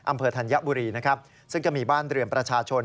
อำเภอธัญบุรีซึ่งจะมีบ้านเรือนประชาชน